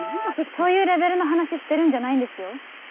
そういうレベルの話してるんじゃないんですよ。